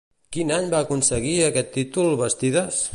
Quin any va aconseguir aquest títol Bastidas?